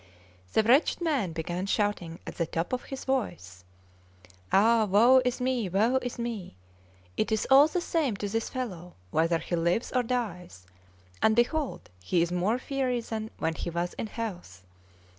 The wretched man began shouting at the top of his voice: "Ah, woe is me! woe is me! It is all the same to this fellow whether he lives or dies, and behold, he is more fiery than when he was in health.